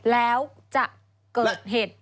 แล้วจะเกิดเหตุ